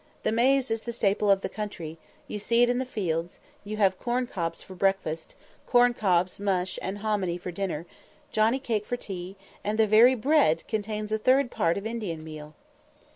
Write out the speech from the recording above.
The maize is the staple of the country; you see it in the fields; you have corn cobs for breakfast; corncobs, mush, and hominy for dinner; johnny cake for tea; and the very bread contains a third part of Indian meal!